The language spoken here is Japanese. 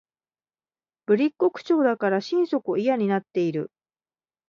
ぶりっ子口調だから心底嫌になっている